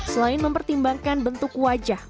selain mempertimbangkan bentuk wajah